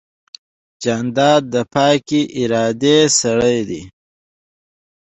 جانداد د پاکې ارادې سړی دی.